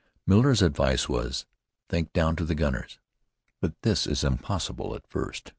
Miller's advice was, "Think down to the gunners"; but this is impossible at first.